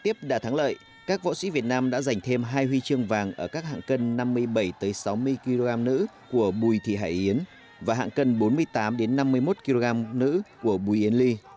tiếp đã thắng lợi các võ sĩ việt nam đã giành thêm hai huy chương vàng ở các hạng cân năm mươi bảy sáu mươi kg nữ của bùi thị hải yến và hạng cân bốn mươi tám năm mươi một kg nữ của bùi yến ly